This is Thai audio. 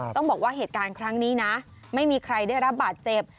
ต้องบอกว่าเหตุการณ์ครั้งนี้นะไม่มีใครได้รับบาดเจ็บ